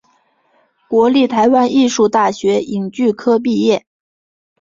国立台湾艺术大学影剧科毕业。